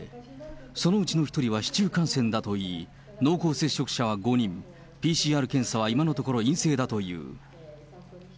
そのうちの１人は市中感染だといい、濃厚接触者は５人、ＰＣＲ検査は今のところ、陰性だという。